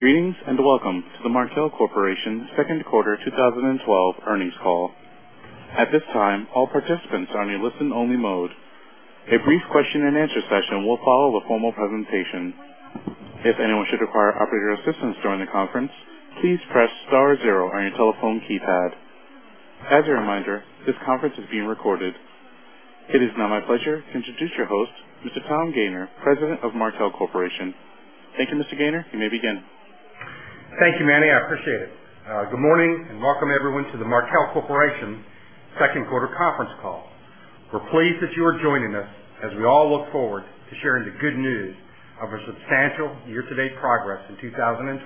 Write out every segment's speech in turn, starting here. Greetings, welcome to the Markel Corporation second quarter 2012 earnings call. At this time, all participants are in a listen-only mode. A brief question-and-answer session will follow the formal presentation. If anyone should require operator assistance during the conference, please press star zero on your telephone keypad. As a reminder, this conference is being recorded. It is now my pleasure to introduce your host, Mr. Tom Gayner, President of Markel Corporation. Thank you, Mr. Gayner. You may begin. Thank you, Manny. I appreciate it. Good morning, welcome, everyone, to the Markel Corporation second quarter conference call. We are pleased that you are joining us as we all look forward to sharing the good news of our substantial year-to-date progress in 2012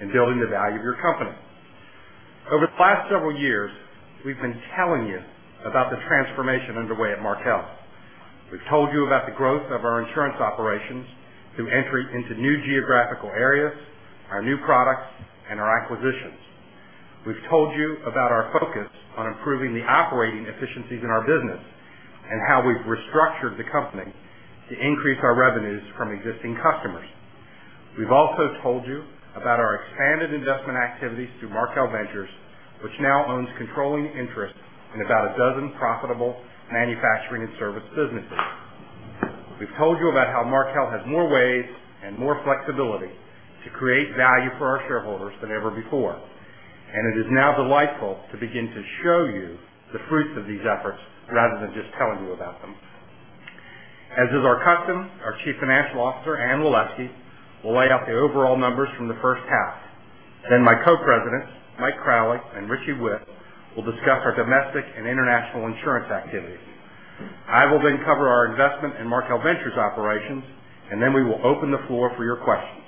in building the value of your company. Over the past several years, we have been telling you about the transformation underway at Markel. We have told you about the growth of our insurance operations through entry into new geographical areas, our new products, and our acquisitions. We have told you about our focus on improving the operating efficiencies in our business and how we have restructured the company to increase our revenues from existing customers. We have also told you about our expanded investment activities through Markel Ventures, which now owns controlling interests in about a dozen profitable manufacturing and service businesses. We have told you about how Markel has more ways and more flexibility to create value for our shareholders than ever before. It is now delightful to begin to show you the fruits of these efforts rather than just telling you about them. As is our custom, our Chief Financial Officer, Anne Waleski, will lay out the overall numbers from the first half. My co-presidents, Mike Crowley and Richie Whitt, will discuss our domestic and international insurance activities. I will cover our investment in Markel Ventures operations, we will open the floor for your questions.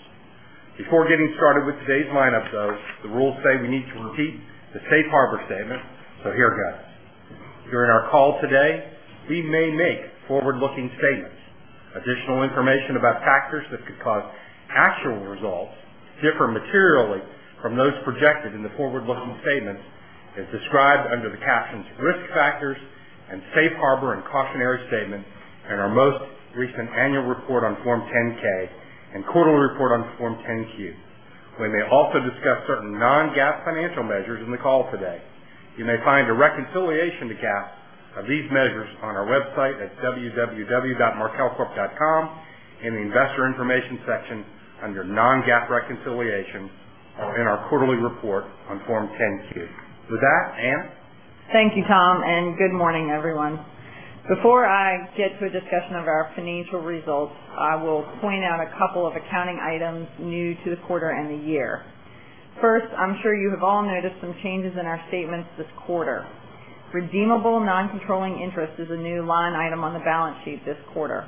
Before getting started with today's lineup, though, the rules say we need to repeat the safe harbor statement, here goes. During our call today, we may make forward-looking statements. Additional information about factors that could cause actual results to differ materially from those projected in the forward-looking statements is described under the captions "Risk Factors" and "Safe Harbor and Cautionary Statements" in our most recent annual report on Form 10-K and quarterly report on Form 10-Q. We may also discuss certain non-GAAP financial measures in the call today. You may find a reconciliation to GAAP of these measures on our website at www.markelcorp.com in the investor information section under non-GAAP reconciliations in our quarterly report on Form 10-Q. With that, Anne? Thank you, Tom, and good morning, everyone. Before I get to a discussion of our financial results, I will point out a couple of accounting items new to the quarter and the year. First, I'm sure you have all noticed some changes in our statements this quarter. Redeemable non-controlling interest is a new line item on the balance sheet this quarter.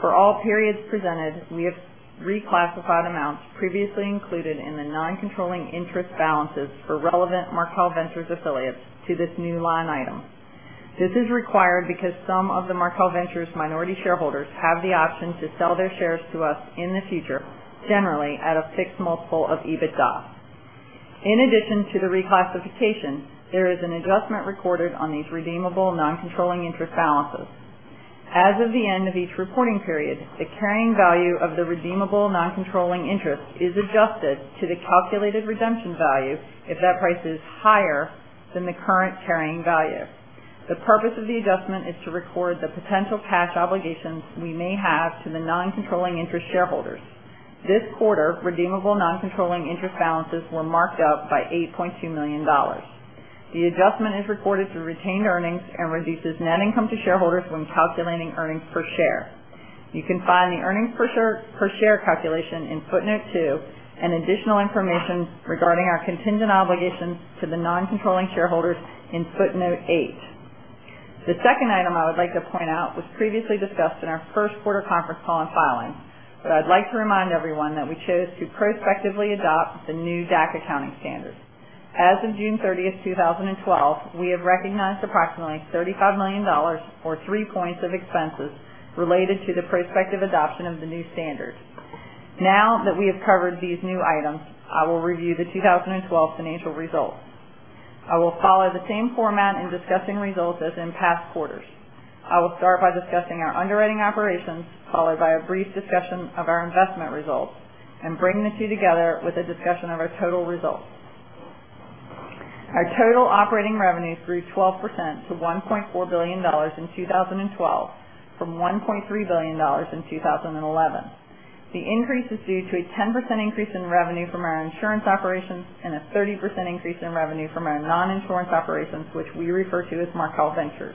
For all periods presented, we have reclassified amounts previously included in the non-controlling interest balances for relevant Markel Ventures affiliates to this new line item. This is required because some of the Markel Ventures minority shareholders have the option to sell their shares to us in the future, generally at a fixed multiple of EBITDA. In addition to the reclassification, there is an adjustment recorded on these redeemable non-controlling interest balances. As of the end of each reporting period, the carrying value of the redeemable non-controlling interest is adjusted to the calculated redemption value if that price is higher than the current carrying value. The purpose of the adjustment is to record the potential cash obligations we may have to the non-controlling interest shareholders. This quarter, redeemable non-controlling interest balances were marked up by $8.2 million. The adjustment is recorded through retained earnings and reduces net income to shareholders when calculating earnings per share. You can find the earnings per share calculation in footnote two and additional information regarding our contingent obligations to the non-controlling shareholders in footnote eight. The second item I would like to point out was previously discussed in our first quarter conference call and filing, I'd like to remind everyone that we chose to prospectively adopt the new DAC accounting standard. As of June 30th, 2012, we have recognized approximately $35 million or three points of expenses related to the prospective adoption of the new standard. Now that we have covered these new items, I will review the 2012 financial results. I will follow the same format in discussing results as in past quarters. I will start by discussing our underwriting operations, followed by a brief discussion of our investment results, and bring the two together with a discussion of our total results. Our total operating revenue grew 12% to $1.4 billion in 2012 from $1.3 billion in 2011. The increase is due to a 10% increase in revenue from our insurance operations and a 30% increase in revenue from our non-insurance operations, which we refer to as Markel Ventures.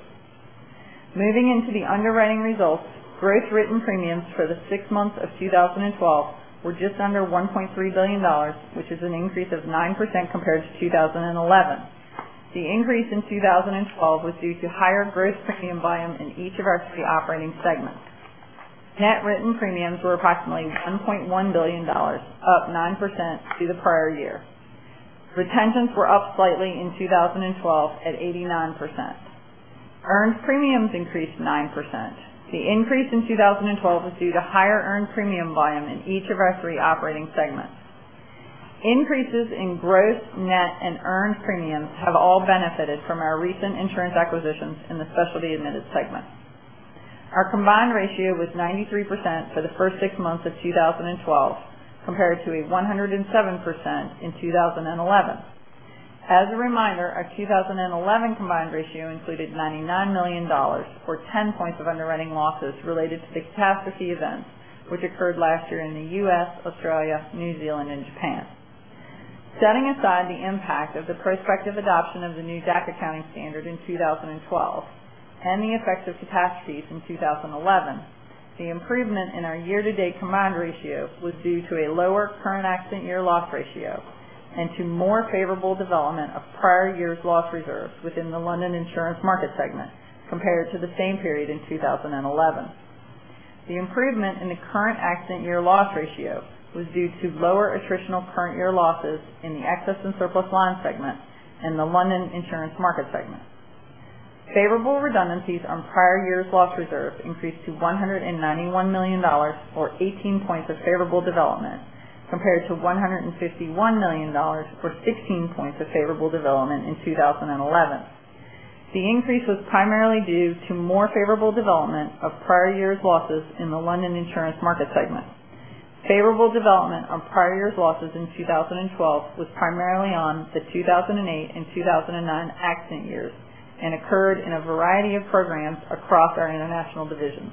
Moving into the underwriting results, gross written premiums for the six months of 2012 were just under $1.3 billion, which is an increase of 9% compared to 2011. The increase in 2012 was due to higher gross premium volume in each of our three operating segments. Net written premiums were approximately $1.1 billion, up 9% to the prior year. Retentions were up slightly in 2012 at 89%. Earned premiums increased 9%. The increase in 2012 was due to higher earned premium volume in each of our three operating segments. Increases in gross, net, and earned premiums have all benefited from our recent insurance acquisitions in the specialty admitted segment. Our combined ratio was 93% for the first six months of 2012 compared to a 107% in 2011. As a reminder, our 2011 combined ratio included $99 million, or 10 points of underwriting losses related to the catastrophe events, which occurred last year in the U.S., Australia, New Zealand, and Japan. Setting aside the impact of the prospective adoption of the new DAC accounting standard in 2012 and the effects of catastrophe from 2011, the improvement in our year-to-date combined ratio was due to a lower current accident year loss ratio and to more favorable development of prior year's loss reserves within the London insurance market segment compared to the same period in 2011. The improvement in the current accident year loss ratio was due to lower attritional current year losses in the Excess and Surplus Line Segment and the London insurance market segment. Favorable redundancies on prior years' loss reserve increased to $191 million or 18 points of favorable development compared to $151 million for 16 points of favorable development in 2011. The increase was primarily due to more favorable development of prior years' losses in the London insurance market segment. Favorable development on prior years' losses in 2012 was primarily on the 2008 and 2009 accident years and occurred in a variety of programs across our international divisions.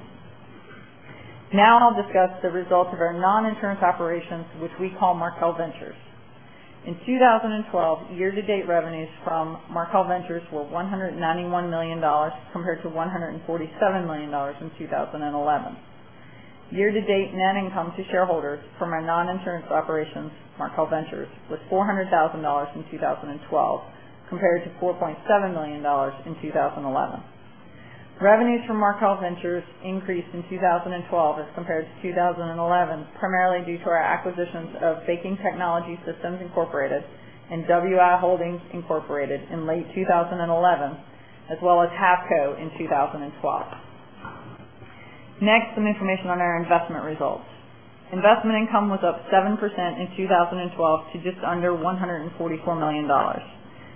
Now I'll discuss the results of our non-insurance operations, which we call Markel Ventures. In 2012, year-to-date revenues from Markel Ventures were $191 million compared to $147 million in 2011. Year-to-date net income to shareholders from our non-insurance operations, Markel Ventures, was $400,000 in 2012 compared to $4.7 million in 2011. Revenues from Markel Ventures increased in 2012 as compared to 2011, primarily due to our acquisitions of Baking Technology Systems Incorporated and WI Holdings Incorporated in late 2011, as well as Havco in 2012. Next, some information on our investment results. Investment income was up 7% in 2012 to just under $144 million.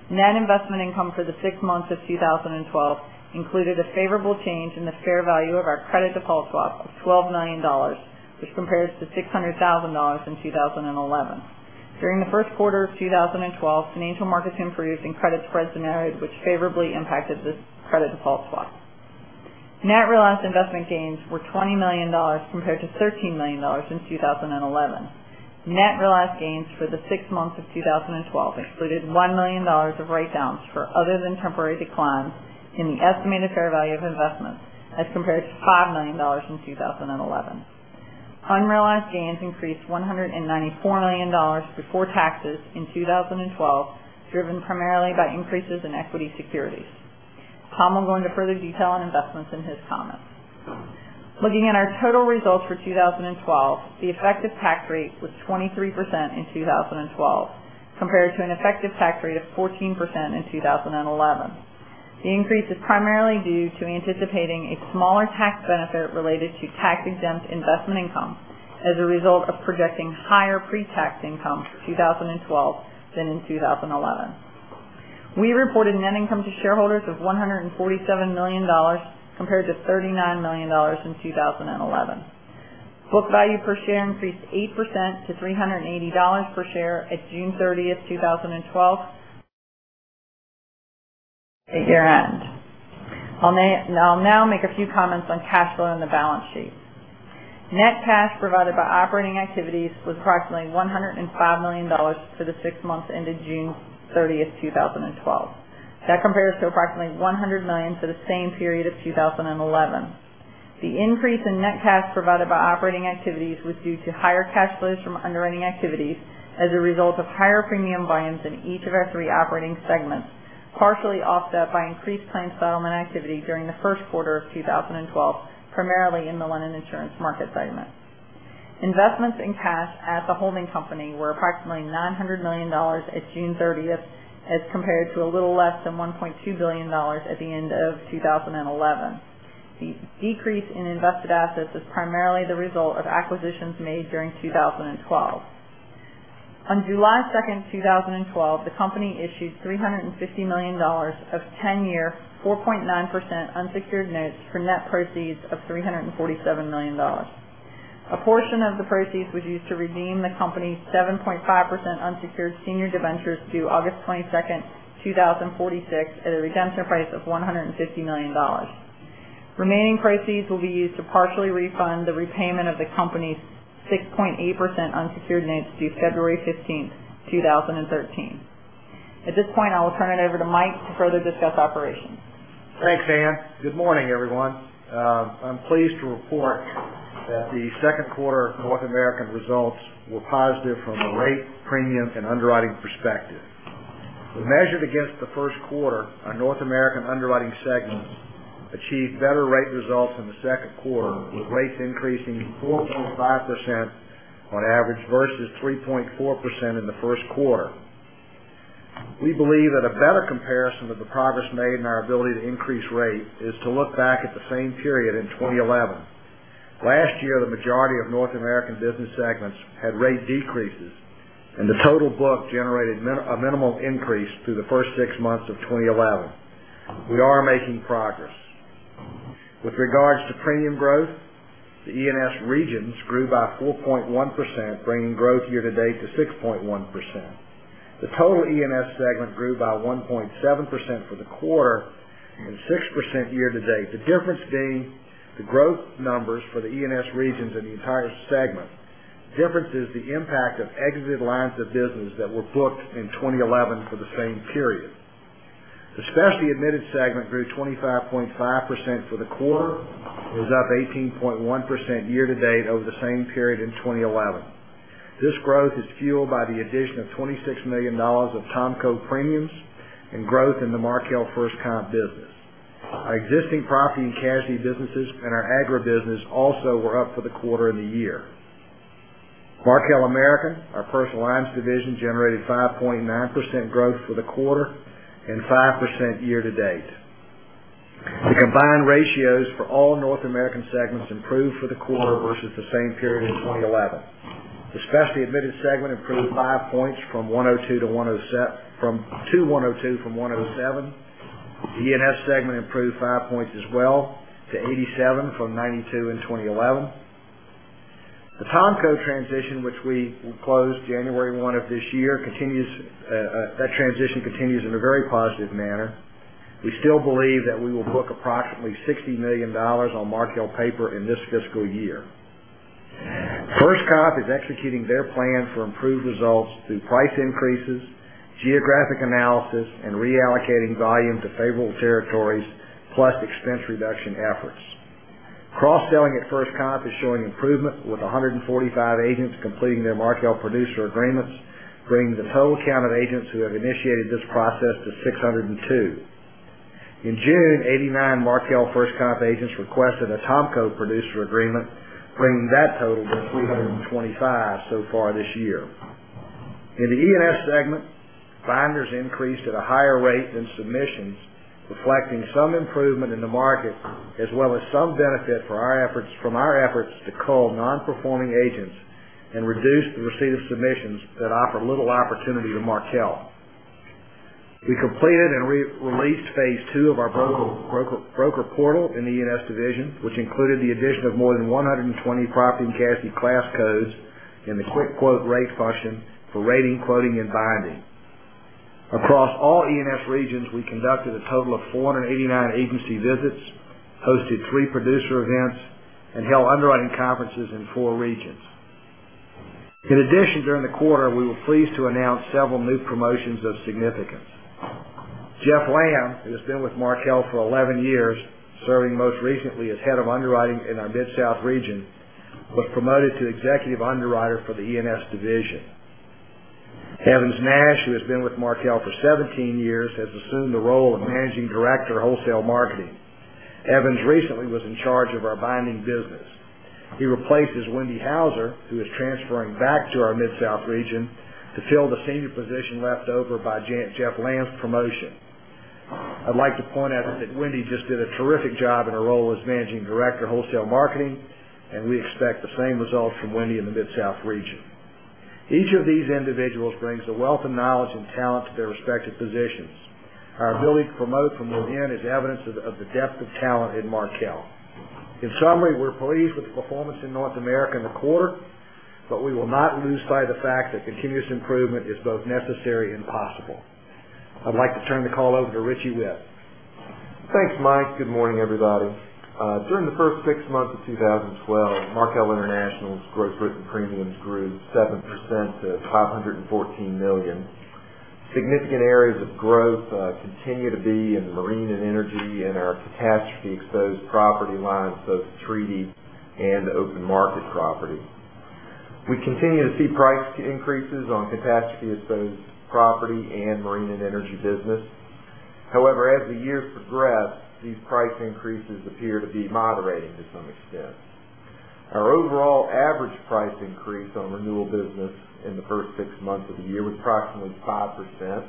Net investment income for the six months of 2012 included a favorable change in the fair value of our credit default swap of $12 million, which compares to $600,000 in 2011. During the first quarter of 2012, financial markets improved and credit spreads narrowed, which favorably impacted this credit default swap. Net realized investment gains were $20 million compared to $13 million in 2011. Net realized gains for the six months of 2012 included $1 million of write-downs for other than temporary declines in the estimated fair value of investments as compared to $5 million in 2011. Unrealized gains increased $194 million before taxes in 2012, driven primarily by increases in equity securities. Tom will go into further detail on investments in his comments. Looking at our total results for 2012, the effective tax rate was 23% in 2012 compared to an effective tax rate of 14% in 2011. The increase is primarily due to anticipating a smaller tax benefit related to tax-exempt investment income as a result of projecting higher pre-tax income for 2012 than in 2011. We reported net income to shareholders of $147 million compared to $39 million in 2011. Book value per share increased 8% to $380 per share at June 30th, 2012 at year-end. I'll now make a few comments on cash flow and the balance sheet. Net cash provided by operating activities was approximately $105 million for the six months ended June 30th, 2012. That compares to approximately $100 million for the same period of 2011. The increase in net cash provided by operating activities was due to higher cash flows from underwriting activities as a result of higher premium volumes in each of our three operating segments, partially offset by increased claim settlement activity during the first quarter of 2012, primarily in the London insurance market segment. Investments in cash at the holding company were approximately $900 million at June 30th as compared to a little less than $1.2 billion at the end of 2011. The decrease in invested assets is primarily the result of acquisitions made during 2012. On July 2nd, 2012, the company issued $350 million of 10-year 4.9% unsecured notes for net proceeds of $347 million. A portion of the proceeds was used to redeem the company's 7.5% unsecured senior debentures due August 22nd, 2046, at a redemption price of $150 million. Remaining proceeds will be used to partially refund the repayment of the company's 6.8% unsecured notes due February 15th, 2013. At this point, I will turn it over to Mike to further discuss operations. Thanks, Anne. Good morning, everyone. I'm pleased to report that the second quarter North American results were positive from a rate, premium, and underwriting perspective. When measured against the first quarter, our North American underwriting segment achieved better rate results in the second quarter, with rates increasing 4.5% on average versus 3.4% in the first quarter. We believe that a better comparison of the progress made in our ability to increase rate is to look back at the same period in 2011. Last year, the majority of North American business segments had rate decreases, and the total book generated a minimal increase through the first six months of 2011. We are making progress. With regards to premium growth, the E&S regions grew by 4.1%, bringing growth year-to-date to 6.1%. The total E&S segment grew by 1.7% for the quarter and 6% year-to-date. The difference being the growth numbers for the E&S regions and the entire segment. Difference is the impact of exited lines of business that were booked in 2011 for the same period. The specialty admitted segment grew 25.5% for the quarter, and was up 18.1% year-to-date over the same period in 2011. This growth is fueled by the addition of $26 million of THOMCO premiums and growth in the Markel FirstComp business. Our existing property and casualty businesses and our agribusiness also were up for the quarter and the year. Markel American, our personal lines division, generated 5.9% growth for the quarter and 5% year-to-date. The combined ratios for all North American segments improved for the quarter versus the same period in 2011. The specialty admitted segment improved five points from 102 from 107. The E&S segment improved five points as well to 87 from 92 in 2011. The THOMCO transition, which we closed January 1 of this year, that transition continues in a very positive manner. We still believe that we will book approximately $60 million on Markel paper in this fiscal year. FirstComp is executing their plan for improved results through price increases, geographic analysis, and reallocating volume to favorable territories, plus expense reduction efforts. Cross-selling at FirstComp is showing improvement with 145 agents completing their Markel producer agreements, bringing the total count of agents who have initiated this process to 602. In June, 89 Markel FirstComp agents requested a THOMCO producer agreement, bringing that total to 325 so far this year. In the E&S segment, binders increased at a higher rate than submissions, reflecting some improvement in the market as well as some benefit from our efforts to cull non-performing agents and reduce the receipt of submissions that offer little opportunity to Markel. We completed and released phase two of our broker portal in the E&S division, which included the addition of more than 120 property and casualty class codes in the quick quote rate function for rating, quoting, and binding. Across all E&S regions, we conducted a total of 489 agency visits, hosted three producer events, and held underwriting conferences in four regions. In addition, during the quarter, we were pleased to announce several new promotions of significance. Jeff Lamb, who has been with Markel for 11 years, serving most recently as head of underwriting in our Mid South region, was promoted to executive underwriter for the E&S division. Evans Nash, who has been with Markel for 17 years, has assumed the role of Managing Director of Wholesale Marketing. Evans recently was in charge of our binding business. He replaces Wendy Houser, who is transferring back to our Mid South region to fill the senior position left over by Jeff Lamb's promotion. I'd like to point out that Wendy just did a terrific job in her role as Managing Director of Wholesale Marketing, and we expect the same results from Wendy in the Mid South region. Each of these individuals brings a wealth of knowledge and talent to their respective positions. Our ability to promote from within is evidence of the depth of talent in Markel. In summary, we're pleased with the performance in North America in the quarter, but we will not lose sight of the fact that continuous improvement is both necessary and possible. I'd like to turn the call over to Richie Whitt. Thanks, Mike. Good morning, everybody. During the first six months of 2012, Markel International's gross written premiums grew 7% to $514 million. Significant areas of growth continue to be in marine and energy and our catastrophe-exposed property lines, both treaty and open market property. We continue to see price increases on catastrophe-exposed property and marine and energy business. As the year progressed, these price increases appear to be moderating to some extent. Our overall average price increase on renewal business in the first six months of the year was approximately 5%.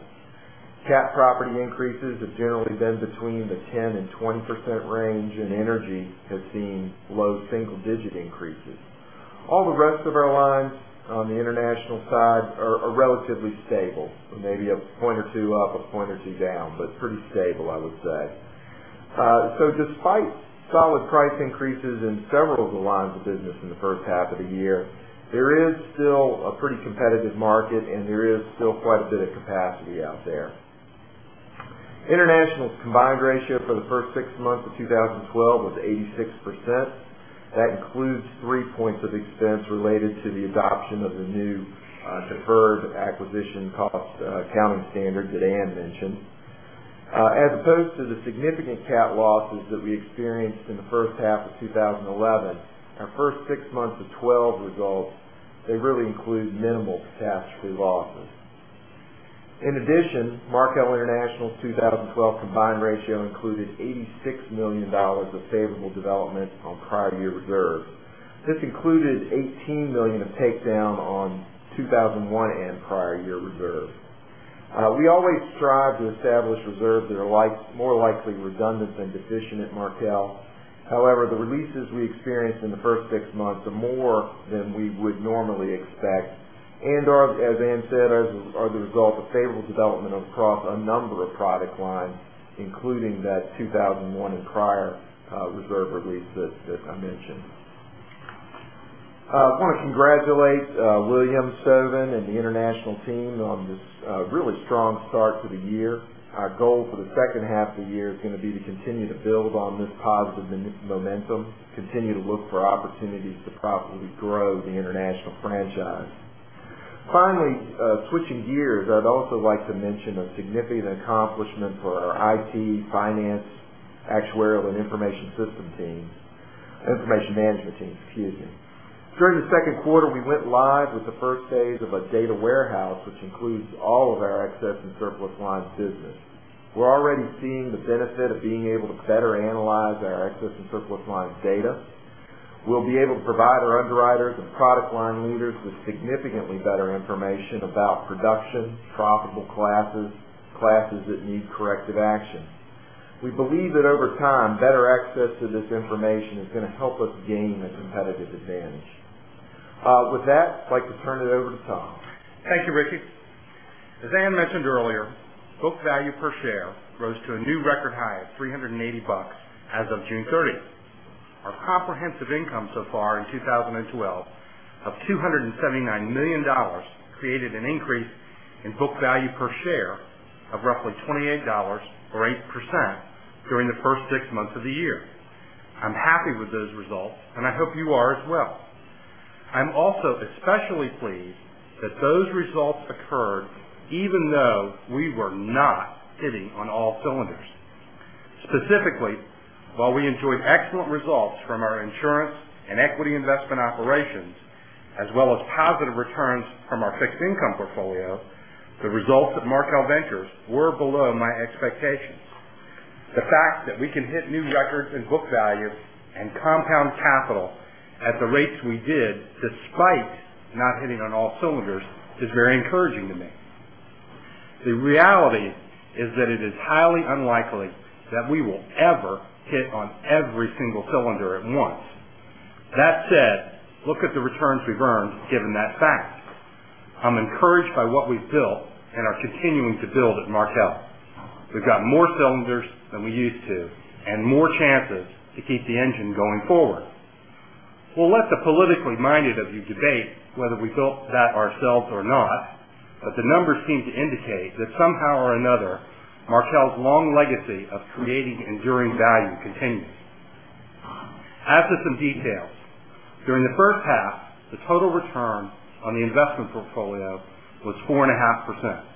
Cat property increases have generally been between the 10% and 20% range, and energy has seen low single-digit increases. All the rest of our lines on the international side are relatively stable. Maybe a point or two up, a point or two down, but pretty stable, I would say. Despite solid price increases in several of the lines of business in the first half of the year, there is still a pretty competitive market, and there is still quite a bit of capacity out there. International's combined ratio for the first six months of 2012 was 86%. That includes 3 points of expense related to the adoption of the new deferred acquisition cost accounting standard that Anne mentioned. As opposed to the significant cat losses that we experienced in the first half of 2011, our first six months of 2012 results, they really include minimal catastrophe losses. In addition, Markel International's 2012 combined ratio included $86 million of favorable development on prior year reserves. This included $18 million of takedown on 2001 and prior year reserves. We always strive to establish reserves that are more likely redundant than deficient at Markel. The releases we experienced in the first six months are more than we would normally expect and/or, as Anne said, are the result of favorable development across a number of product lines, including that 2001 and prior reserve release that I mentioned. I want to congratulate William Stovin and the international team on this really strong start to the year. Our goal for the second half of the year is going to be to continue to build on this positive momentum, continue to look for opportunities to profitably grow the international franchise. Finally, switching gears, I'd also like to mention a significant accomplishment for our IT, finance, actuarial, and information management teams. During the second quarter, we went live with the first phase of a data warehouse, which includes all of our excess and surplus lines business. We're already seeing the benefit of being able to better analyze our excess and surplus lines data. We'll be able to provide our underwriters and product line leaders with significantly better information about production, profitable classes that need corrective action. We believe that over time, better access to this information is going to help us gain a competitive advantage. With that, I'd like to turn it over to Tom. Thank you, Richie. As Anne mentioned earlier, book value per share rose to a new record high of $380 as of June 30th. Our comprehensive income so far in 2012 of $279 million created an increase in book value per share of roughly $28 or 8% during the first six months of the year. I'm happy with those results, and I hope you are as well. I'm also especially pleased that those results occurred even though we were not hitting on all cylinders. Specifically, while we enjoyed excellent results from our insurance and equity investment operations, as well as positive returns from our fixed income portfolio, the results of Markel Ventures were below my expectations. The fact that we can hit new records in book value and compound capital at the rates we did despite not hitting on all cylinders is very encouraging to me. The reality is that it is highly unlikely that we will ever hit on every single cylinder at once. That said, look at the returns we've earned given that fact. I'm encouraged by what we've built and are continuing to build at Markel. We've got more cylinders than we used to and more chances to keep the engine going forward. We'll let the politically minded of you debate whether we built that ourselves or not, but the numbers seem to indicate that somehow or another, Markel's long legacy of creating enduring value continues. As to some details, during the first half, the total return on the investment portfolio was 4.5%.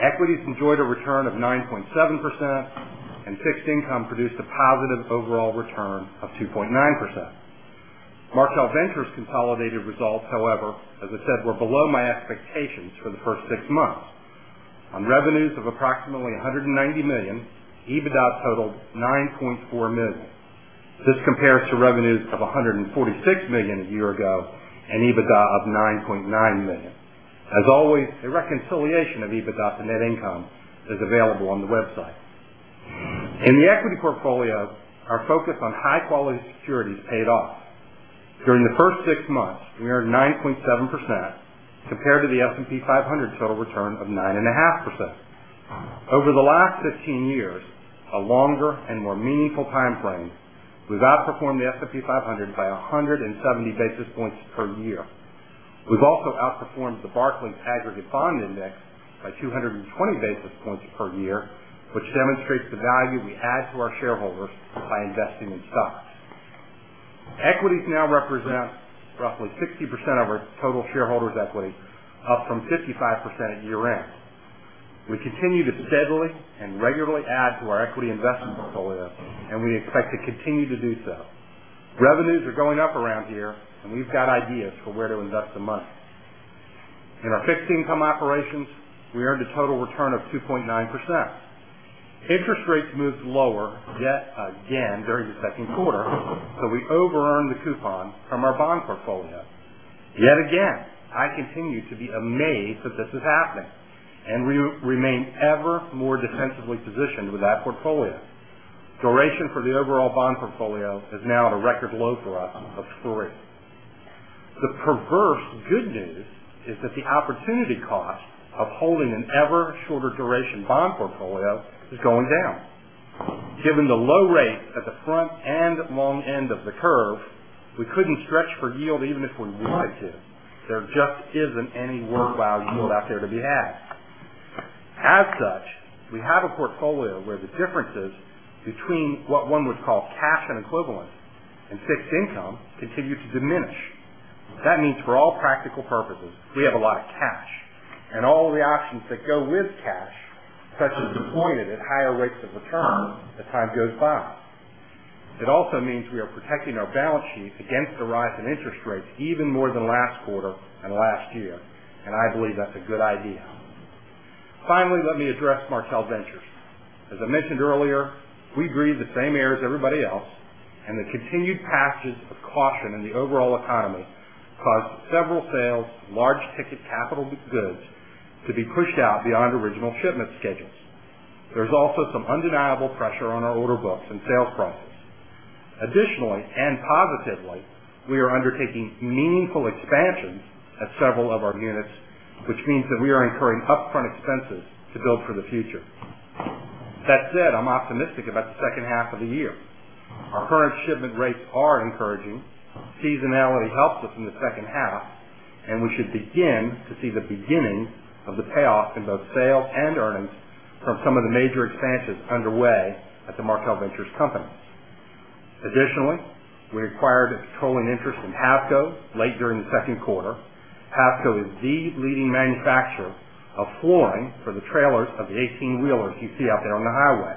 Equities enjoyed a return of 9.7%. Fixed income produced a positive overall return of 2.9%. Markel Ventures' consolidated results, however, as I said, were below my expectations for the first six months. On revenues of approximately $190 million, EBITDA totaled $9.4 million. This compares to revenues of $146 million a year ago and EBITDA of $9.9 million. As always, a reconciliation of EBITDA to net income is available on the website. In the equity portfolio, our focus on high-quality securities paid off. During the first six months, we earned 9.7% compared to the S&P 500 total return of 9.5%. Over the last 15 years, a longer and more meaningful timeframe, we've outperformed the S&P 500 by 170 basis points per year. We've also outperformed the Barclays Aggregate Bond Index by 220 basis points per year, which demonstrates the value we add to our shareholders by investing in stocks. Equities now represent roughly 60% of our total shareholders' equity, up from 55% at year-end. We continue to steadily and regularly add to our equity investment portfolio. We expect to continue to do so. Revenues are going up around here. We've got ideas for where to invest the money. In our fixed income operations, we earned a total return of 2.9%. Interest rates moved lower yet again during the second quarter. We over-earned the coupon from our bond portfolio. Yet again, I continue to be amazed that this is happening. We remain ever more defensively positioned with that portfolio. Duration for the overall bond portfolio is now at a record low for us of three. The perverse good news is that the opportunity cost of holding an ever-shorter duration bond portfolio is going down. Given the low rates at the front and long end of the curve, we couldn't stretch for yield even if we wanted to. There just isn't any worthwhile yield out there to be had. As such, we have a portfolio where the differences between what one would call cash and equivalent and fixed income continue to diminish. That means for all practical purposes, we have a lot of cash and all the options that go with cash, such as deploying it at higher rates of return as time goes by. It also means we are protecting our balance sheet against a rise in interest rates even more than last quarter and last year. I believe that's a good idea. Finally, let me address Markel Ventures. As I mentioned earlier, we breathe the same air as everybody else. The continued passage of caution in the overall economy caused several sales of large-ticket capital goods to be pushed out beyond original shipment schedules. There's also some undeniable pressure on our order books and sales process. Positively, we are undertaking meaningful expansions at several of our units, which means that we are incurring upfront expenses to build for the future. That said, I'm optimistic about the second half of the year. Our current shipment rates are encouraging. Seasonality helps us in the second half. We should begin to see the beginning of the payoff in both sales and earnings from some of the major expansions underway at the Markel Ventures companies. We acquired a controlling interest in Havco late during the second quarter. Havco is the leading manufacturer of flooring for the trailers of the 18-wheelers you see out there on the highway.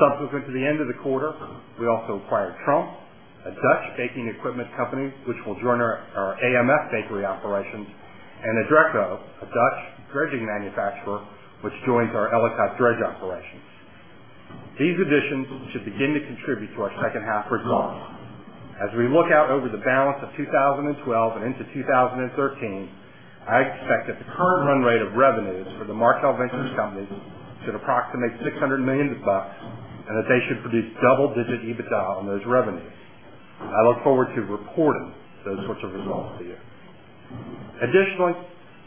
Subsequent to the end of the quarter, we also acquired Tromp, a Dutch baking equipment company, which will join our AMF Bakery operations, and Idreco, a Dutch dredging manufacturer, which joins our Ellicott Dredge operations. These additions should begin to contribute to our second half results. As we look out over the balance of 2012 and into 2013, I expect that the current run rate of revenues for the Markel Ventures companies should approximate $600 million, and that they should produce double-digit EBITDA on those revenues. I look forward to reporting those sorts of results to you.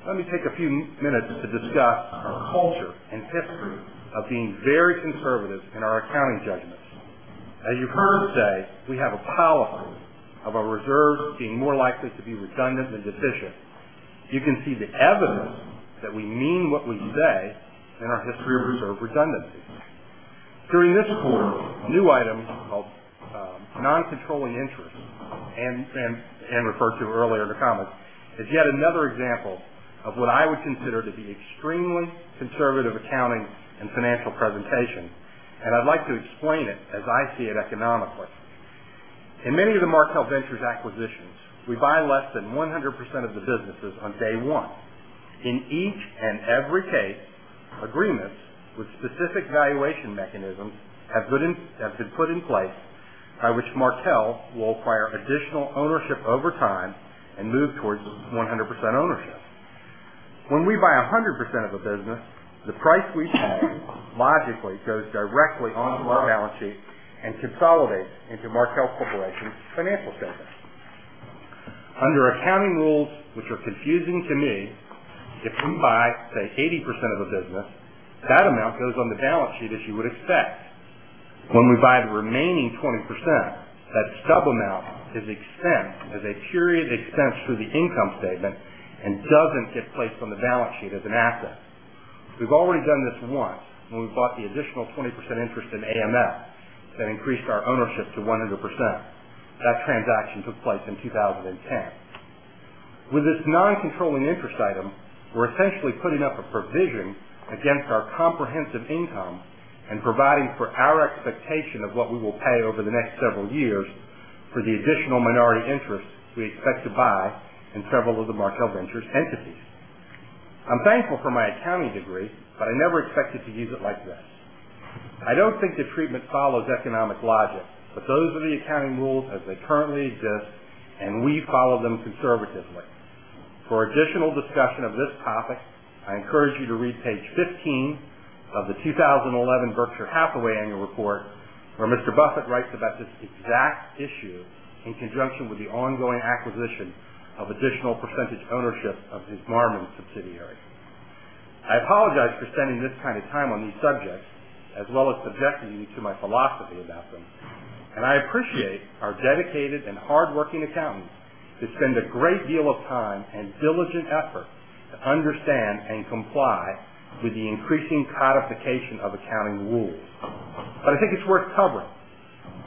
Let me take a few minutes to discuss our culture and history of being very conservative in our accounting judgments. As you've heard me say, we have a policy of our reserves being more likely to be redundant than deficient. You can see the evidence that we mean what we say in our history of reserve redundancy. During this quarter, a new item called non-controlling interest, referred to earlier in the comments, is yet another example of what I would consider to be extremely conservative accounting and financial presentation. I'd like to explain it as I see it economically. In many of the Markel Ventures acquisitions, we buy less than 100% of the businesses on day one. In each and every case, agreements with specific valuation mechanisms have been put in place by which Markel will acquire additional ownership over time and move towards 100% ownership. When we buy 100% of a business, the price we pay logically goes directly onto our balance sheet and consolidates into Markel Corporation's financial statements. Under accounting rules, which are confusing to me, if we buy, say, 80% of a business, that amount goes on the balance sheet as you would expect. When we buy the remaining 20%, that stub amount is a period expense through the income statement and doesn't get placed on the balance sheet as an asset. We've already done this once when we bought the additional 20% interest in AMF that increased our ownership to 100%. That transaction took place in 2010. With this non-controlling interest item, we're essentially putting up a provision against our comprehensive income and providing for our expectation of what we will pay over the next several years for the additional minority interest we expect to buy in several of the Markel Ventures entities. I'm thankful for my accounting degree, but I never expected to use it like this. I don't think the treatment follows economic logic, those are the accounting rules as they currently exist, and we follow them conservatively. For additional discussion of this topic, I encourage you to read page 15 of the 2011 Berkshire Hathaway annual report, where Mr. Buffett writes about this exact issue in conjunction with the ongoing acquisition of additional percentage ownership of his Marmon subsidiary. I apologize for spending this kind of time on these subjects, as well as subjecting you to my philosophy about them, and I appreciate our dedicated and hardworking accountants who spend a great deal of time and diligent effort to understand and comply with the increasing codification of accounting rules. I think it's worth covering.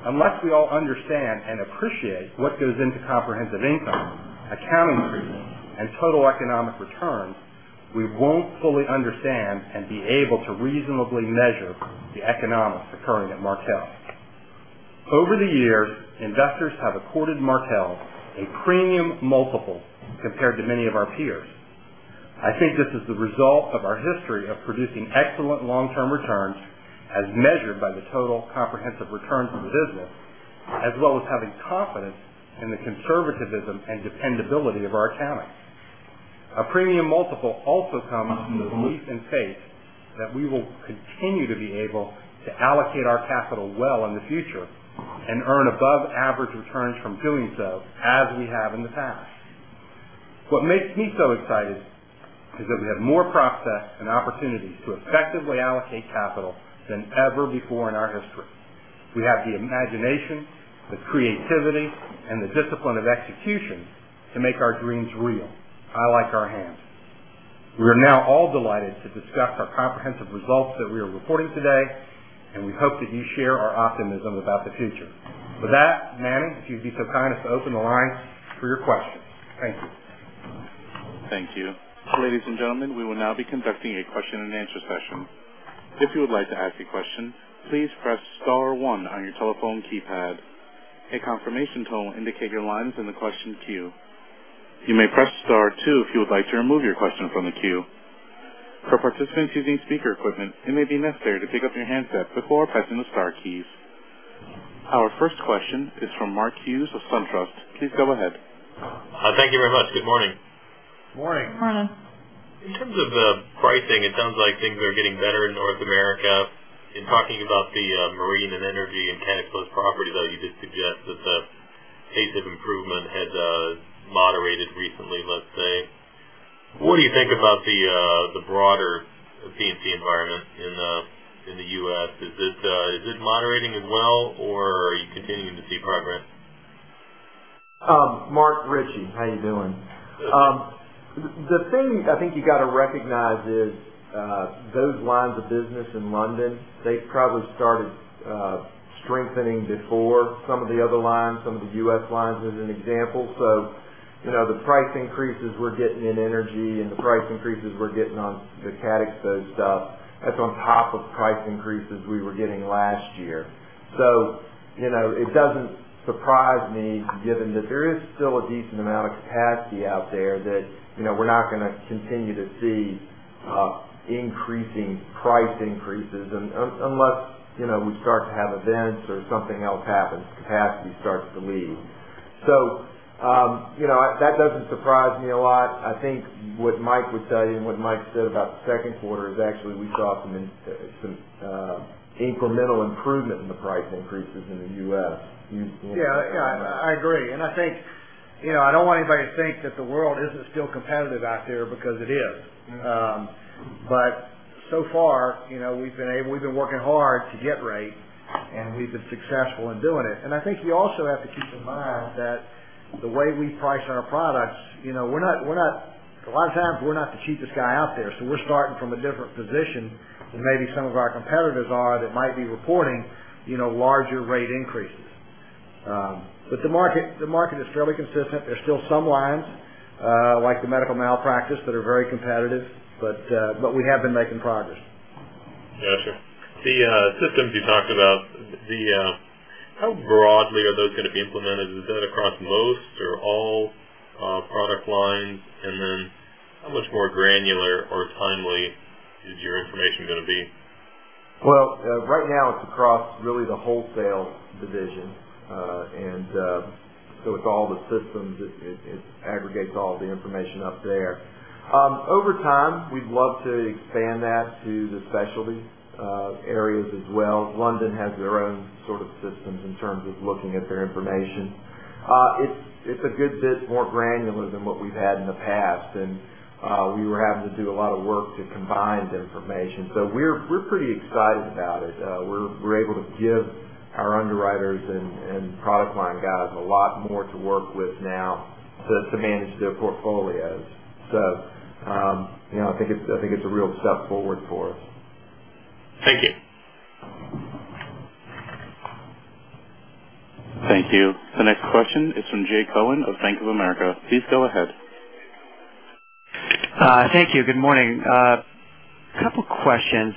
Unless we all understand and appreciate what goes into comprehensive income, accounting treatment, and total economic returns, we won't fully understand and be able to reasonably measure the economics occurring at Markel. Over the years, investors have accorded Markel a premium multiple compared to many of our peers. I think this is the result of our history of producing excellent long-term returns as measured by the total comprehensive returns of the business, as well as having confidence in the conservativism and dependability of our accounting. A premium multiple also comes from the belief and faith that we will continue to be able to allocate our capital well in the future and earn above average returns from doing so as we have in the past. What makes me so excited is that we have more process and opportunities to effectively allocate capital than ever before in our history. We have the imagination, the creativity, and the discipline of execution to make our dreams real. I like our hands. We are now all delighted to discuss our comprehensive results that we are reporting today, and we hope that you share our optimism about the future. With that, Manny, if you'd be so kind as to open the line for your questions. Thank you. Thank you. Ladies and gentlemen, we will now be conducting a question and answer session. If you would like to ask a question, please press *1 on your telephone keypad. A confirmation tone will indicate your line is in the question queue. You may press star two if you would like to remove your question from the queue. For participants using speaker equipment, it may be necessary to pick up your handset before pressing the star keys. Our first question is from Mark Hughes of SunTrust. Please go ahead. Thank you very much. Good morning. Morning. Morning. In terms of the pricing, it sounds like things are getting better in North America. In talking about the marine and energy and cat exposed property, though you did suggest that the pace of improvement has moderated recently, let's say. What do you think about the broader P&C environment in the U.S.? Is it moderating as well or are you continuing to see progress? Mark, Richie, how you doing? The thing I think you got to recognize is, those lines of business in London, they probably started strengthening before some of the other lines, some of the U.S. lines as an example. The price increases we're getting in energy and the price increases we're getting on the cat exposed stuff, that's on top of price increases we were getting last year. It doesn't surprise me given that there is still a decent amount of capacity out there that we're not going to continue to see increasing price increases unless we start to have events or something else happens, capacity starts to leave. That doesn't surprise me a lot. I think what Mike would tell you and what Mike said about the second quarter is actually we saw some incremental improvement in the price increases in the U.S. Yeah, I agree. I don't want anybody to think that the world isn't still competitive out there because it is. So far, we've been working hard to get rate, and we've been successful in doing it. I think we also have to keep in mind that the way we price our products, a lot of times we're not the cheapest guy out there. We're starting from a different position than maybe some of our competitors are that might be reporting larger rate increases. The market is fairly consistent. There's still some lines, like the medical malpractice, that are very competitive. We have been making progress. Got you. The systems you talked about, how broadly are those going to be implemented? Is it going to across most or all product lines? How much more granular or timely is your information going to be? Well, right now it's across really the wholesale division. It's all the systems. It aggregates all the information up there. Over time, we'd love to expand that to the specialty areas as well. London has their own sort of systems in terms of looking at their information. It's a good bit more granular than what we've had in the past. We were having to do a lot of work to combine the information. We're pretty excited about it. We're able to give our underwriters and product line guys a lot more to work with now to manage their portfolios. I think it's a real step forward for us. Thank you. Thank you. The next question is from Jay Cohen of Bank of America. Please go ahead. Thank you. Good morning. A couple questions.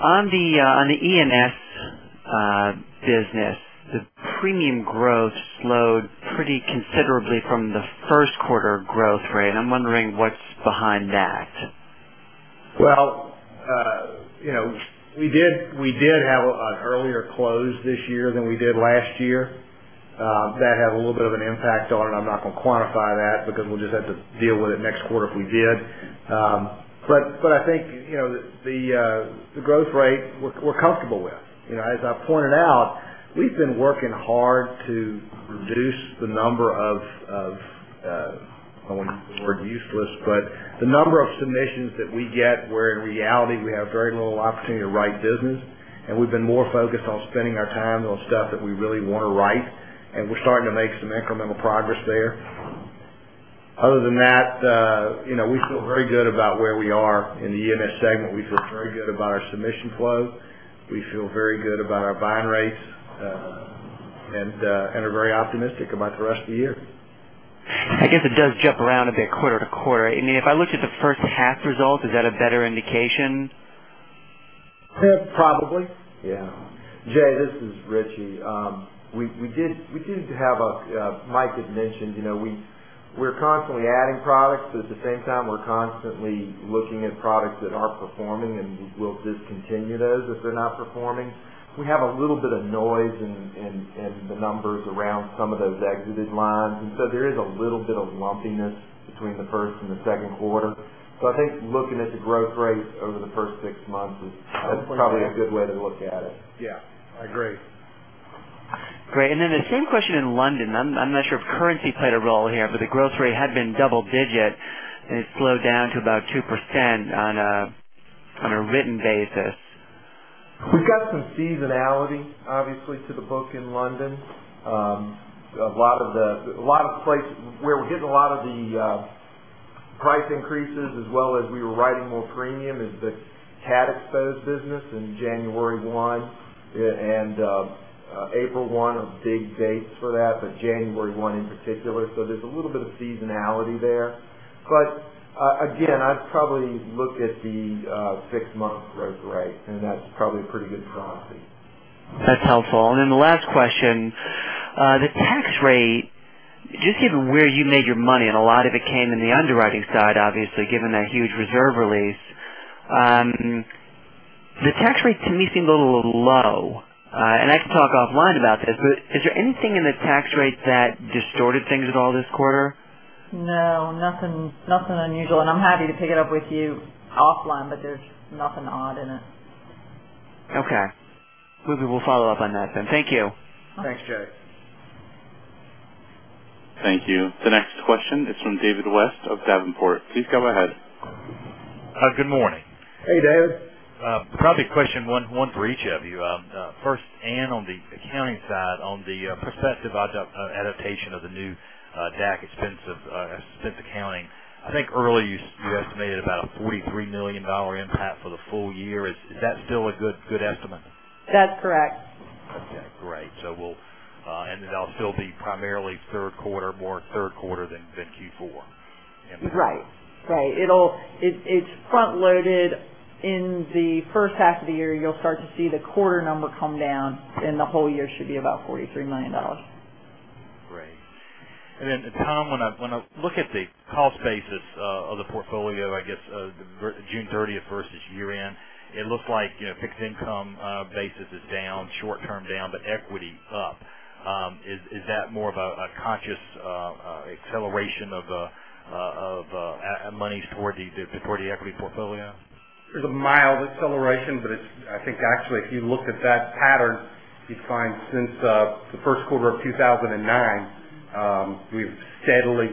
On the E&S business, the premium growth slowed pretty considerably from the first quarter growth rate. I'm wondering what's behind that. Well, we did have an earlier close this year than we did last year. That had a little bit of an impact on it. I'm not going to quantify that because we'll just have to deal with it next quarter if we did. I think the growth rate we're comfortable with. As I pointed out, we've been working hard to reduce the number of, I don't want to use the word useless, but the number of submissions that we get where in reality we have very little opportunity to write business. We've been more focused on spending our time on stuff that we really want to write, and we're starting to make some incremental progress there. Other than that, we feel very good about where we are in the E&S segment. We feel very good about our submission flow. We feel very good about our bind rates. We are very optimistic about the rest of the year. I guess it does jump around a bit quarter to quarter. If I looked at the first half result, is that a better indication? Probably. Yeah. Jay, this is Richie. Mike had mentioned we're constantly adding products, at the same time, we're constantly looking at products that aren't performing, and we'll discontinue those if they're not performing. We have a little bit of noise in the numbers around some of those exited lines. There is a little bit of lumpiness between the first and the second quarter. I think looking at the growth rates over the first six months is probably a good way to look at it. Yeah, I agree. Great. The same question in London. I'm not sure if currency played a role here, the growth rate had been double digit, it slowed down to about 2% on a written basis. We've got some seasonality, obviously, to the book in London. Where we're getting a lot of the price increases as well as we were writing more premium is the cat exposed business in January 1 and April 1 are big dates for that, but January 1 in particular. There's a little bit of seasonality there. Again, I'd probably look at the six-month growth rate, and that's probably a pretty good proxy. That's helpful. Then the last question, the tax rate, just given where you made your money, and a lot of it came in the underwriting side, obviously, given that huge reserve release. The tax rate to me seemed a little low. I can talk offline about this, but is there anything in the tax rate that distorted things at all this quarter? No, nothing unusual. I'm happy to pick it up with you offline, but there's nothing odd in it. Okay. We will follow up on that then. Thank you. Thanks, Jay. Thank you. The next question is from David West of Davenport. Please go ahead. Good morning. Hey, David. Probably a question, one for each of you. First, Anne, on the accounting side, on the prospective adaptation of the new DAC expense accounting. I think earlier you estimated about a $43 million impact for the full year. Is that still a good estimate? That's correct. Okay, great. That'll still be primarily more third quarter than Q4 impact. Right. It's front-loaded in the first half of the year. You'll start to see the quarter number come down, the whole year should be about $43 million. Great. Tom, when I look at the cost basis of the portfolio, I guess, June 30th versus year-end, it looks like fixed income basis is down, short-term down, but equity up. Is that more of a conscious acceleration of monies toward the equity portfolio? There's a mild acceleration, I think actually, if you looked at that pattern, you'd find since the first quarter of 2009, we've steadily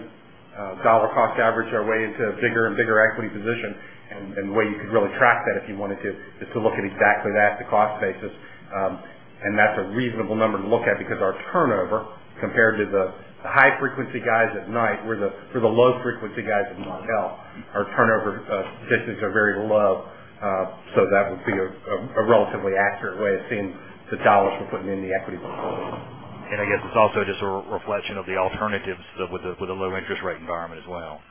dollar cost average our way into a bigger and bigger equity position. The way you could really track that, if you wanted to, is to look at exactly that, the cost basis. That's a reasonable number to look at because our turnover, compared to the high-frequency guys at night, we're the low-frequency guys at Markel. Our turnover positions are very low. That would be a relatively accurate way of seeing the dollars we're putting in the equity portfolio. I guess it's also just a reflection of the alternatives with the low interest rate environment as well.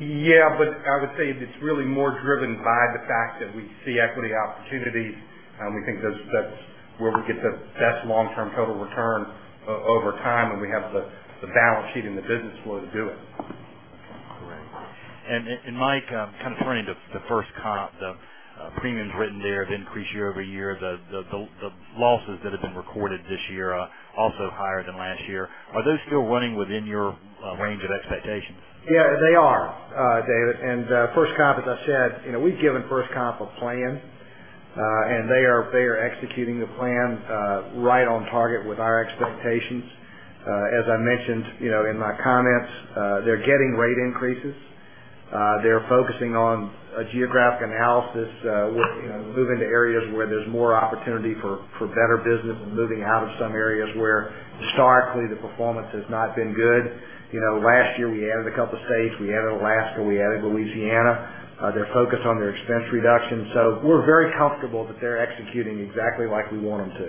Yeah, I would say it's really more driven by the fact that we see equity opportunities, we think that's where we get the best long-term total return over time, we have the balance sheet and the business flow to do it. Great. Mike, kind of turning to the FirstComp, the premiums written there have increased year-over-year. The losses that have been recorded this year are also higher than last year. Are those still running within your range of expectations? Yeah, they are, David. FirstComp, as I said, we've given FirstComp a plan, and they are executing the plan right on target with our expectations. As I mentioned in my comments, they're getting rate increases. They're focusing on a geographic analysis, moving to areas where there's more opportunity for better business and moving out of some areas where historically the performance has not been good. Last year, we added a couple states. We added Alaska, we added Louisiana. They're focused on their expense reduction. We're very comfortable that they're executing exactly like we want them to.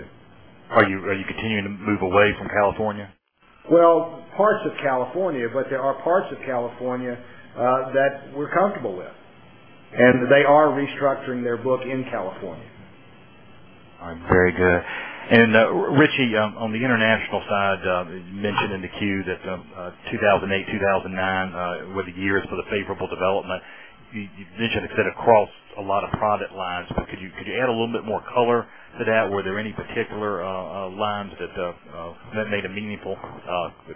Are you continuing to move away from California? Well, parts of California, there are parts of California that we're comfortable with, they are restructuring their book in California. All right, very good. Richie, on the international side, you mentioned in the Form 10-Q that 2008, 2009 were the years for the favorable development. You mentioned it cut across a lot of product lines, but could you add a little bit more color to that? Were there any particular lines that made a meaningful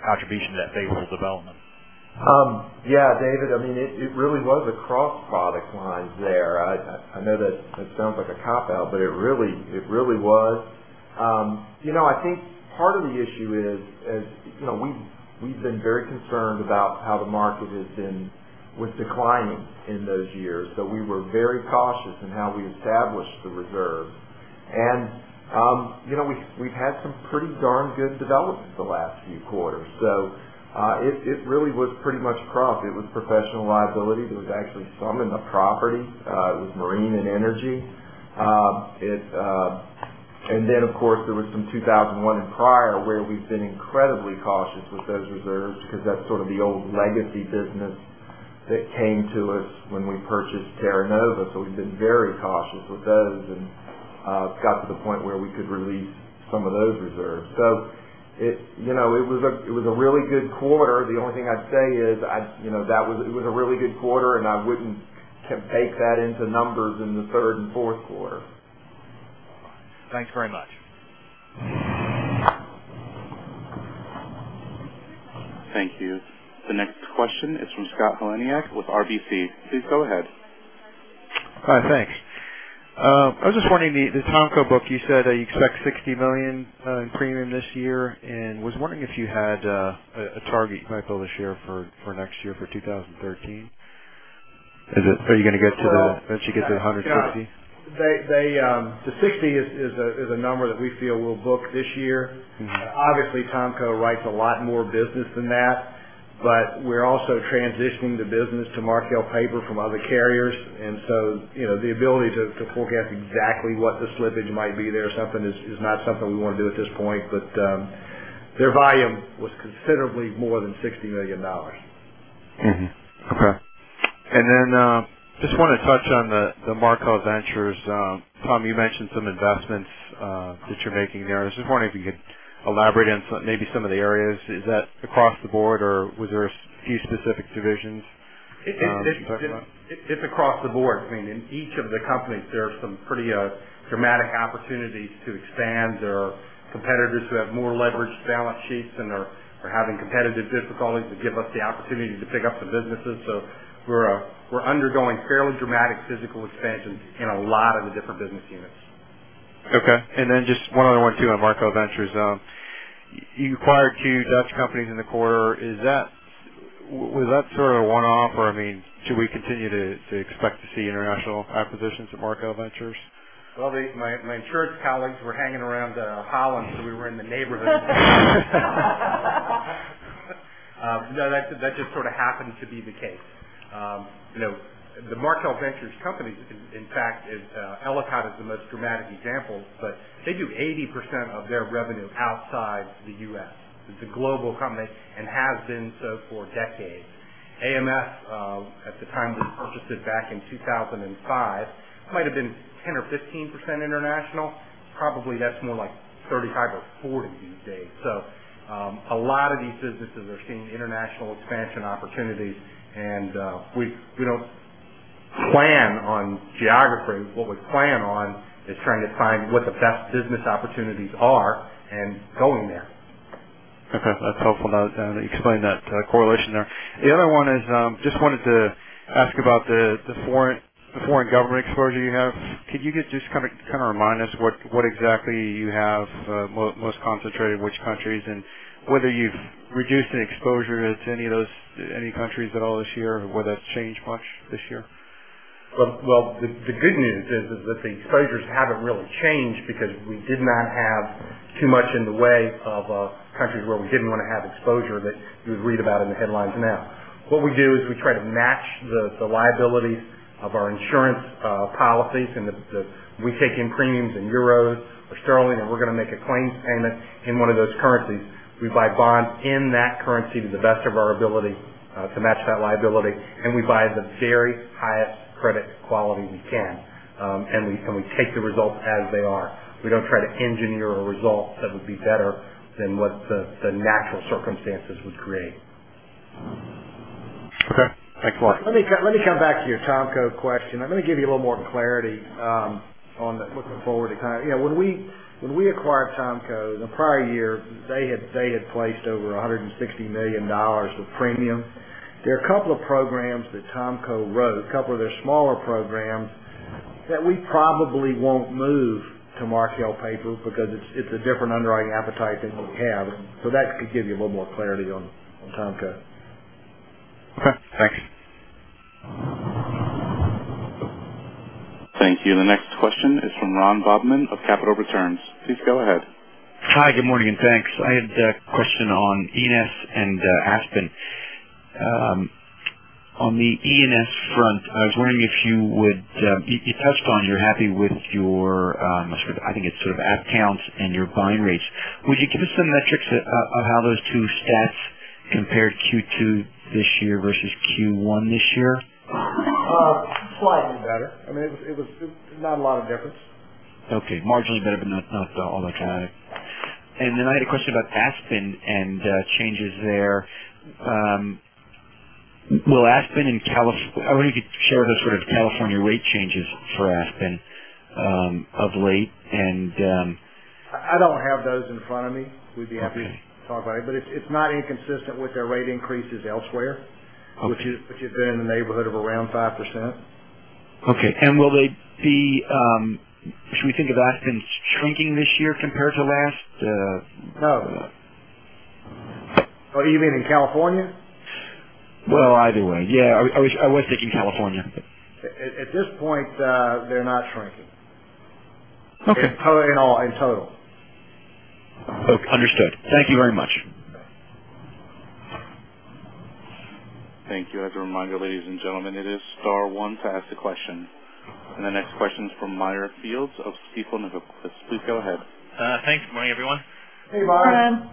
contribution to that favorable development? Yeah, David, it really was across product lines there. I know that sounds like a cop-out, but it really was. I think part of the issue is we've been very concerned about how the market was declining in those years. We were very cautious in how we established the reserve. We've had some pretty darn good developments the last few quarters. It really was pretty much across. It was professional liability. There was actually some in the property. It was marine and energy. Then, of course, there was some 2001 and prior where we've been incredibly cautious with those reserves because that's sort of the old legacy business that came to us when we purchased Terra Nova. We've been very cautious with those and got to the point where we could release some of those reserves. It was a really good quarter. The only thing I'd say is it was a really good quarter, and I wouldn't bake that into numbers in the third and fourth quarter. Thanks very much. Thank you. The next question is from Scott Heleniak with RBC. Please go ahead. Thanks. I was just wondering, the THOMCO book, you said that you expect $60 million in premium this year, was wondering if you had a target you might build this year for next year, for 2013. The 60 is a number that we feel we'll book this year. Obviously, THOMCO writes a lot more business than that, but we're also transitioning the business to Markel paper from other carriers. The ability to forecast exactly what the slippage might be there is not something we want to do at this point. Their volume was considerably more than $60 million. Mm-hmm. Okay. Just want to touch on the Markel Ventures. Tom, you mentioned some investments that you're making there. I was just wondering if you could elaborate on maybe some of the areas. Is that across the board, or was there a few specific divisions you're talking about? It's across the board. In each of the companies, there are some pretty dramatic opportunities to expand. There are competitors who have more leveraged balance sheets and are having competitive difficulties that give us the opportunity to pick up some businesses. We're undergoing fairly dramatic physical expansion in a lot of the different business units. Okay. Just one other one, too, on Markel Ventures. You acquired two Dutch companies in the quarter. Was that sort of a one-off, or should we continue to expect to see international acquisitions of Markel Ventures? Well, my insurance colleagues were hanging around Holland, we were in the neighborhood. No, that just sort of happened to be the case. The Markel Ventures companies, in fact, Ellicott is the most dramatic example, but they do 80% of their revenue outside the U.S. It's a global company and has been so for decades. AMF, at the time we purchased it back in 2005, might have been 10% or 15% international. Probably that's more like 35% or 40% these days. A lot of these businesses are seeing international expansion opportunities, and we don't plan on geography. What we plan on is trying to find what the best business opportunities are and going there. Okay. That's helpful that you explained that correlation there. The other one is, just wanted to ask about the foreign government exposure you have. Could you just kind of remind us what exactly you have, most concentrated in which countries, and whether you've reduced any exposure to any countries at all this year, or whether that's changed much this year? Well, the good news is that the exposures haven't really changed because we did not have too much in the way of countries where we didn't want to have exposure that you would read about in the headlines now. What we do is we try to match the liabilities of our insurance policies, and we take in premiums in euros or sterling, and we're going to make a claims payment in one of those currencies. We buy bonds in that currency to the best of our ability to match that liability, and we buy the very highest credit quality we can. We take the results as they are. We don't try to engineer a result that would be better than what the natural circumstances would create. Okay. Thanks a lot. Let me come back to your THOMCO question. I'm going to give you a little more clarity on looking forward. When we acquired THOMCO in the prior year, they had placed over $160 million of premium. There are a couple of programs that THOMCO wrote, a couple of their smaller programs, that we probably won't move to Markel Paper because it's a different underwriting appetite than we have. That could give you a little more clarity on THOMCO. Okay, thanks. Thank you. The next question is from Ron Bobman of Capital Returns. Please go ahead. Hi, good morning, and thanks. I had a question on E&S and Aspen. On the E&S front, I was wondering, you touched on you're happy with your, I think it's sort of accounts and your buying rates. Would you give us some metrics of how those two stats compared Q2 this year versus Q1 this year? Slightly better. It was not a lot of difference. Okay. Marginally better, but not all that dramatic. Then I had a question about Aspen and changes there. I wonder if you could share the sort of California rate changes for Aspen of late. I don't have those in front of me. We'd be happy to talk about it, but it's not inconsistent with their rate increases elsewhere, which has been in the neighborhood of around 5%. Okay. Should we think of Aspen shrinking this year compared to last? No. Oh, you mean in California? Well, either way. Yeah, I was thinking California. At this point, they're not shrinking. Okay. In total. Okay, understood. Thank you very much. Thank you. As a reminder, ladies and gentlemen, it is star one to ask a question. The next question is from Meyer Shields of Stifel Nicolaus. Please go ahead. Thanks. Good morning, everyone. Hey, Meyer. Good morning.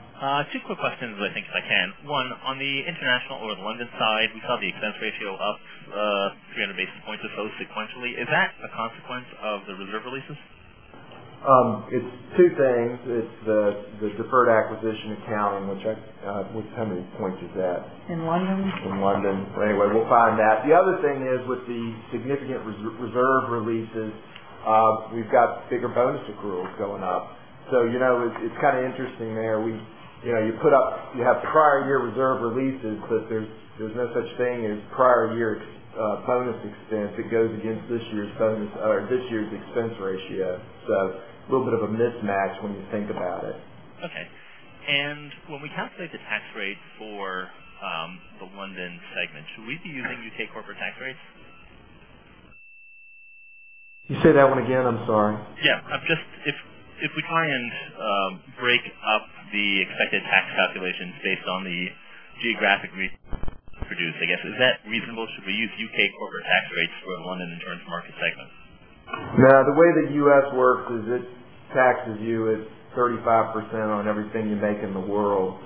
Two quick questions, if I can. One, on the international or the London side, we saw the expense ratio up 300 basis points or so sequentially. Is that a consequence of the reserve releases? It's two things. It's the deferred acquisition accounting, which, how many points is that? In London? In London. We'll find that. The other thing is with the significant reserve releases, we've got bigger bonus accruals going up. It's kind of interesting there. You have prior year reserve releases, there's no such thing as prior year bonus expense. It goes against this year's expense ratio. A little bit of a mismatch when you think about it. Okay. When we calculate the tax rate for the London segment, should we be using U.K. corporate tax rates? Can you say that one again? I'm sorry. Yeah. If we try and break up the expected tax calculations based on the geographic region produced, I guess, is that reasonable? Should we use U.K. corporate tax rates for a London insurance market segment? The way the U.S. works is it taxes you at 35% on everything you make in the world.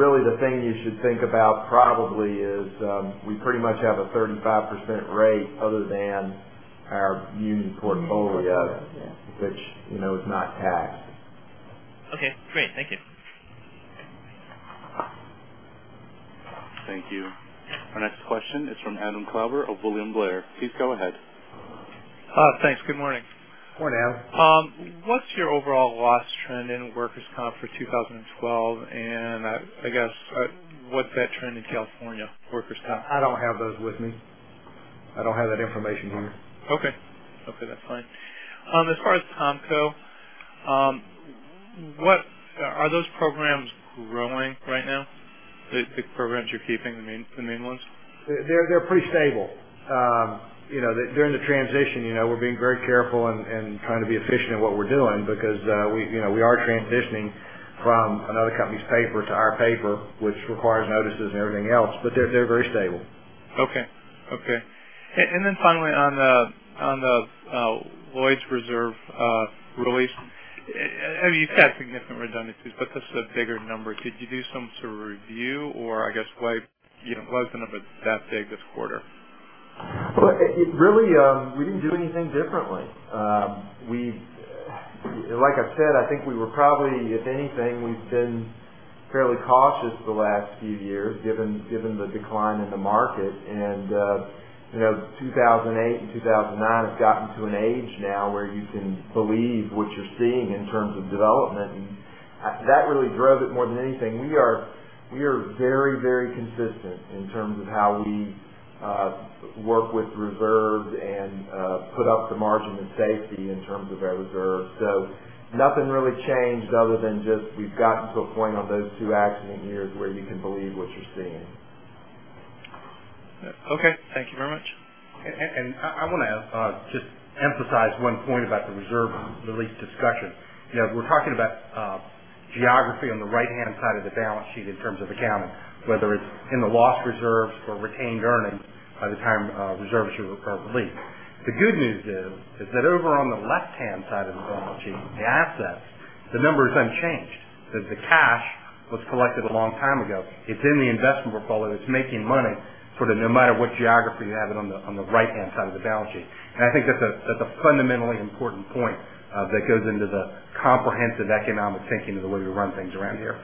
Really the thing you should think about probably is, we pretty much have a 35% rate other than our Munich portfolio. Munich portfolio, yeah. which is not taxed. Okay, great. Thank you. Thank you. Our next question is from Adam Klauber of William Blair. Please go ahead. Thanks. Good morning. Good morning, Adam. What's your overall loss trend in workers' comp for 2012, and I guess, what's that trend in California workers' comp? I don't have those with me. I don't have that information here. Okay. That's fine. As far as THOMCO, are those programs growing right now? The programs you're keeping, the main ones. They're pretty stable. During the transition, we're being very careful and trying to be efficient at what we're doing because we are transitioning from another company's paper to our paper, which requires notices and everything else. They're very stable. Okay. Finally, on the Lloyd's reserve release. You've had significant redundancies, this is a bigger number. Could you do some sort of review, or I guess why it wasn't that big this quarter? Well, really, we didn't do anything differently. Like I said, I think we were probably, if anything, we've been fairly cautious the last few years, given the decline in the market. 2008 and 2009 have gotten to an age now where you can believe what you're seeing in terms of development, and that really drove it more than anything. We are very consistent in terms of how we work with reserves and put up the margin of safety in terms of our reserves. Nothing really changed other than just we've gotten to a point on those two accident years where you can believe what you're seeing. Okay. Thank you very much. I want to just emphasize one point about the reserve release discussion. We're talking about geography on the right-hand side of the balance sheet in terms of accounting, whether it's in the loss reserves or retained earnings by the time reserves are currently. The good news is that over on the left-hand side of the balance sheet, the assets, the number is unchanged. The cash was collected a long time ago. It's in the investment portfolio. It's making money for the no matter what geography you have it on the right-hand side of the balance sheet. I think that's a fundamentally important point that goes into the comprehensive economic thinking of the way we run things around here.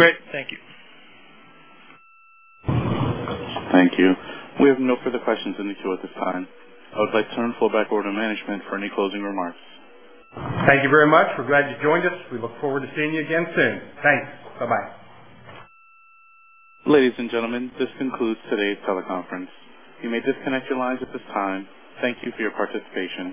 Great. Thank you. Thank you. We have no further questions in the queue at this time. I would like to turn floor back over to management for any closing remarks. Thank you very much. We're glad you joined us. We look forward to seeing you again soon. Thanks. Bye-bye. Ladies and gentlemen, this concludes today's teleconference. You may disconnect your lines at this time. Thank you for your participation.